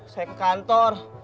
saya ke kantor